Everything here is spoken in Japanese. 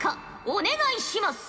お願いします！